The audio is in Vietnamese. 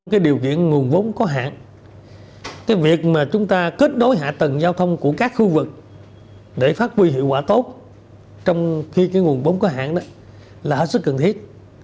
cái điều kiện nguồn vốn có hạn cái việc mà chúng ta kết nối hạ tầng giao thông của các khu vực để phát huy hiệu quả tốt trong khi cái nguồn vốn có hạn là rất cần thiết